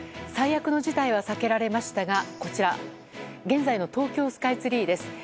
最悪の事態は避けられましたがこちら現在の東京スカイツリーです。